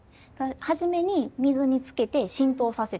初めに水につけて浸透させてる。